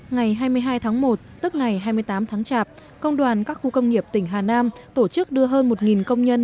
ngày hai mươi hai tháng một tức ngày hai mươi tám tháng chạp công đoàn các khu công nghiệp tỉnh hà nam tổ chức đưa hơn một công nhân